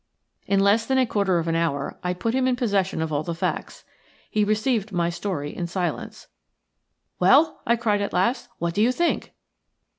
In less than a quarter of an hour I put him in possession of all the facts. He received my story in silence. "Well!" I cried at last. "What do you think?"